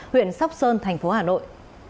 huyện sóc sơn thành phố hà nội